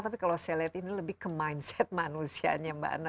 tapi kalau saya lihat ini lebih ke mindset manusianya mbak nana